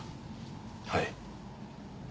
はい。